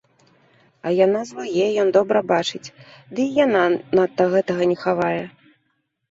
А яна злуе, ён добра бачыць, ды і яна надта гэтага не хавае.